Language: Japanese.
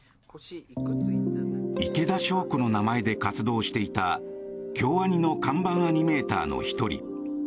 池田昌子の名前で活動していた京アニの看板アニメーターの１人。